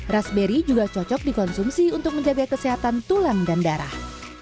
raspberry juga cocok dikonsumsi untuk menjaga kesehatan tulang dan darah